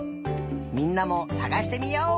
みんなもさがしてみよう！